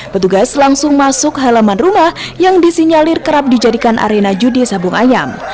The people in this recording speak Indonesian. petugas langsung masuk halaman rumah yang disinyalir kerap dijadikan arena judi sabung ayam